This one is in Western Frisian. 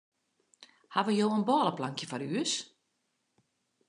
Hawwe jo in bôleplankje foar ús?